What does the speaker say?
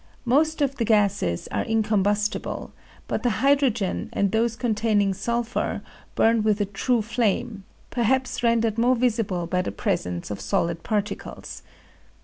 Most of the gases are incombustible, but the hydrogen and those containing sulphur burn with a true flame, perhaps rendered more visible by the presence of solid particles.